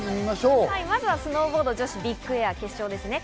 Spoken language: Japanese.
まずはスノーボード女子ビッグエア決勝です。